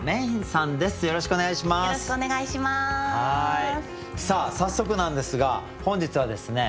さあ早速なんですが本日はですね